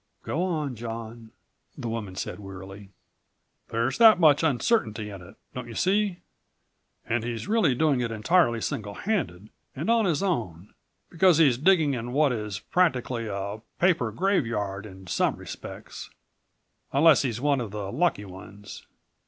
"Go on, John," the woman said wearily. "There's that much uncertainty in it, don't you see? And he's really doing it entirely single handed and on his own, because he's digging in what is practically a paper graveyard in some respects, unless he's one of the lucky ones.